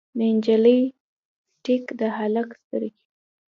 د نجلۍ ټیک، د هلک سترګې